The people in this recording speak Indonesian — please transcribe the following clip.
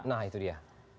nah itu dia